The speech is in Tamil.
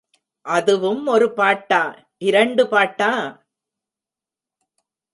அதுவும் ஒரு பாட்டா, இரண்டு பாட்டா?